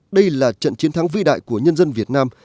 đây là trận chiến thắng vĩ đại của nhân dân việt nam